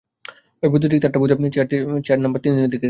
ওই বৈদ্যুতিক তারটা বোধহয় চেম্বার তিনের দিকে গেছে।